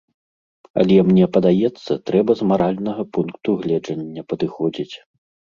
Але мне падаецца, трэба з маральнага пункту гледжання падыходзіць.